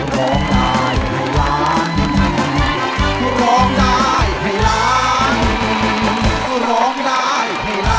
สวัสดีครับ